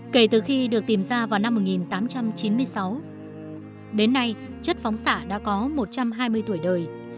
hãy đăng ký kênh để ủng hộ kênh của chúng mình nhé